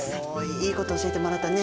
いいこと教えてもらったね。